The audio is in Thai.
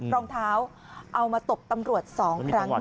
รองเท้าเอามาตบตำรวจ๒ครั้ง